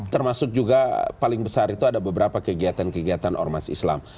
termasuk juga paling besar itu ada beberapa kegiatan kegiatan ormas islam